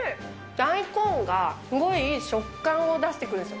大根がすごい食感を出してくるんですよ。